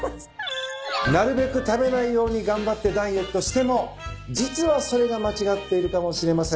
なるべく食べないように頑張ってダイエットしても実はそれが間違っているかもしれません。